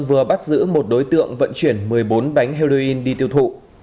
vừa bắt giữ một đối tượng vận chuyển một mươi bốn bánh heroin đi tiêu thụ